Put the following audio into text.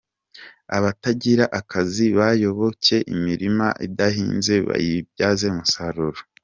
Abatagira akazi bayoboke imirima idahinze bayibyaze umusaruro